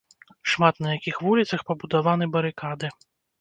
Шмат на якіх вуліцах пабудаваны барыкады.